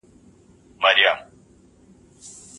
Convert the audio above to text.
خصوصي سکتور تجربې نه لري.